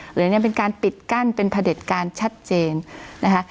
หรือยังเป็นการปิดกั้นเป็นพระเด็จการชัดเจนนะคะ